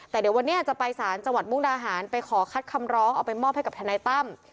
แต่เดี๋ยววันนี้จะไปสารจังหวัดมุกดาหารไปขอคัดคำร้องเอาไปมอบให้กับทนายตั้ม